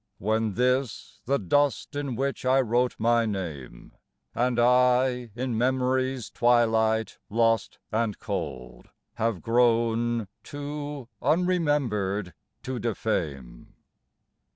When this, the dust in which I wrote my name, And I in memory's twilight lost and cold Have grown too unremembered to defame